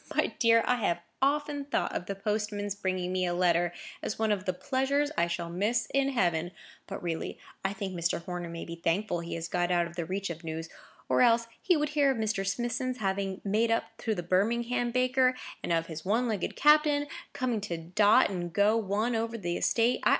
My dear, I have often thought of the postman's bringing me a letter as one of the pleasures I shall miss in heaven. But, really, I think Mr. Horner may be thankful he has got out of the reach of news; or else he would hear of Mr. Smithson's having made up to the Birmingham baker, and of his one legged captain, coming to dot and go one over the estate.